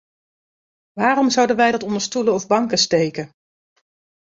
Waarom zouden wij dat onder stoelen of banken steken?